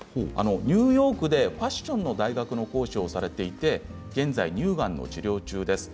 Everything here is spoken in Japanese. ニューヨークでファッションの大学の講師をされていて現在、乳がんの治療中です。